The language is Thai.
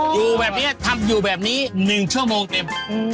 อยู่แบบนี้ทำอยู่แบบนี้๑ชั่วโมงเต็ม